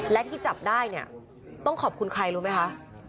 และที่จับได้เนี่ยต้องขอบคุณใครรู้ไหมคะ